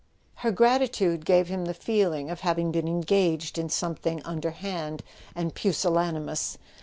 Her gratitude gave him the feeling of having been engaged in something underhand and pusillanimous.